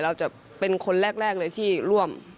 เราจะเป็นคนแรกเลยที่ร่วม